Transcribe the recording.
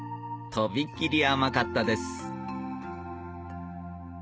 飛び切り甘かったです